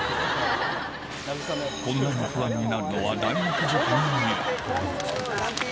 こんなに不安になるのは大学受験以来。